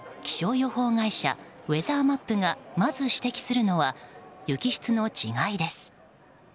気象予報会社、ウェザーマップがまず指摘するのは雪質の違いです。